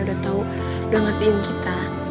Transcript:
udah tau udah ngatiin kita